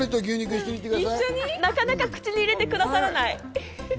なかなか口に入れてくださらない。